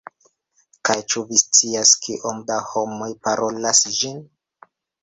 Kaj ĉu vi scias kiom da homoj parolas ĝin?